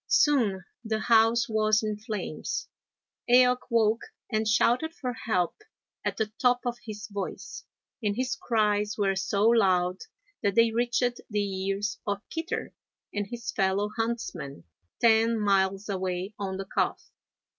Soon the house was in flames. Eaoch woke and shouted for help at the top of his voice, and his cries were so loud that they reached the ears of Kitter and his fellow huntsmen, ten miles away on the Calf.